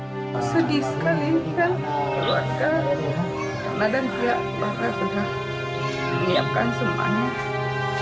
padahal pihak pihak sudah menyiapkan semuanya